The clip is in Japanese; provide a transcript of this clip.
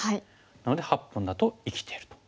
なので８本だと生きてる。